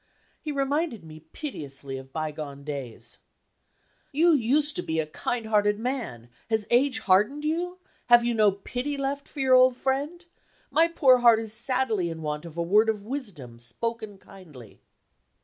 He reminded me piteously of bygone days: "You used to be a kind hearted man. Has age hardened you? Have you no pity left for your old friend? My poor heart is sadly in want of a word of wisdom, spoken kindly."